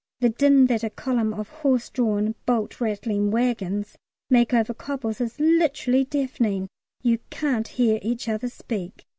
The din that a column of horse drawn, bolt rattling waggons make over cobbles is literally deafening; you can't hear each other speak.